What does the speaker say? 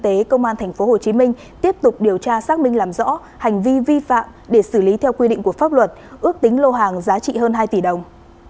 đội quản lý thị trường số ba thuộc cục quản lý thị trường tp hcm đã tạm giữ toàn bộ hàng hóa vi phạm để xử lý theo quy định của pháp luật ước tính lô hàng giá trị hơn hai tỷ đồng